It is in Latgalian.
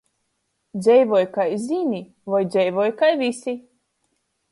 Dzeivoj, kai zyni, voi dzeivoj kai vysi.